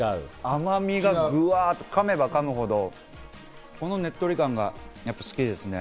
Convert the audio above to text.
甘みが噛めば噛むほど、このねっとり感が好きですね。